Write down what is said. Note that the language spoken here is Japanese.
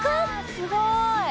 すごい。